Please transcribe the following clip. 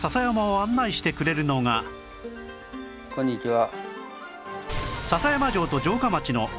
こんにちは。